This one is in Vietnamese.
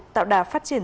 tạo đả phát triển